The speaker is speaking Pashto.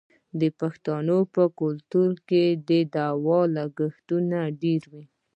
د پښتنو په کلتور کې د واده لګښتونه ډیر وي.